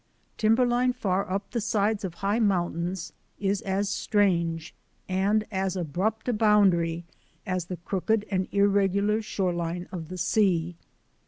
Timberline far up the sides of high mountains is as strange and as abrupt a boundary as the crooked and irregular shoreline of the sea.